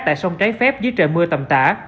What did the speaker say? tại sông trái phép dưới trời mưa tầm tả